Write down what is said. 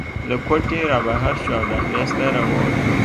له کوټې رابهر شوو او دهلېز ته راووتو.